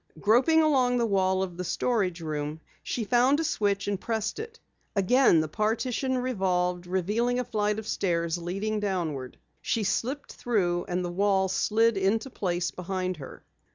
Groping along the wall of the storage room, she found a switch and pressed it. Again the partition revolved, revealing a flight of stairs leading downward. She slipped through and the wall slid into place behind her.